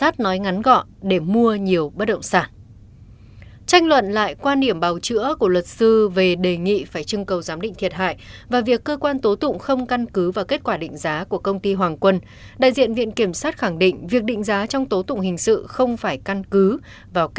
các bạn hãy đăng ký kênh để ủng hộ kênh của chúng mình nhé